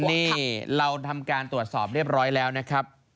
นี่เราทำการตรวจสอบเรียบร้อยแล้วนะครับ